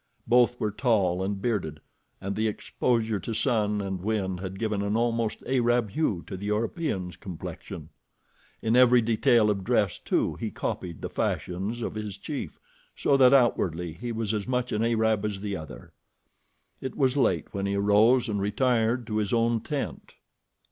Both were tall and bearded, and the exposure to sun and wind had given an almost Arab hue to the European's complexion. In every detail of dress, too, he copied the fashions of his chief, so that outwardly he was as much an Arab as the other. It was late when he arose and retired to his own tent.